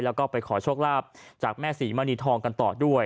แล้วก็ไปขอโชคลาภจากแม่ศรีมณีทองกันต่อด้วย